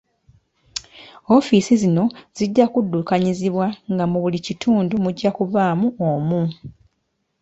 Ofiisi zino zijja kuddukanyizibwa nga mu buli kitundu mujja kubaamu omu.